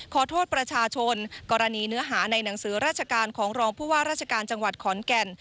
ขอโทษประชาชนกรณีเนื้อหาในหนังสือราชการของรองผู้ว่าราชการจังหวัดขอนแก่น